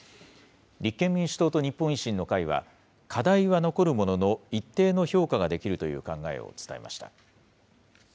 立憲民主党と日本維新の会は、課題は残るものの、一定の評価ができるという考えを伝えました。